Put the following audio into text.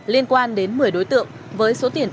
liên quan đến một mươi đối tượng với số tiền